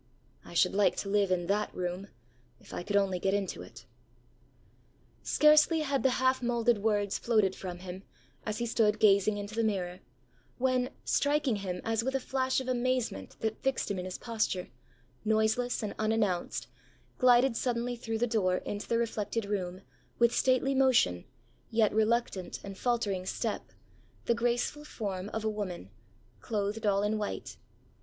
I should like to live in that room if I could only get into it.ã Scarcely had the half moulded words floated from him, as he stood gazing into the mirror, when, striking him as with a flash of amazement that fixed him in his posture, noiseless and unannounced, glided suddenly through the door into the reflected room, with stately motion, yet reluctant and faltering step, the graceful form of a woman, clothed all in white.